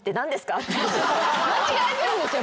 間違えてるんですよ